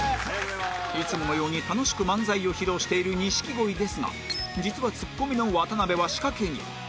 いつものように楽しく漫才を披露している錦鯉ですが実はツッコミの渡辺は仕掛け人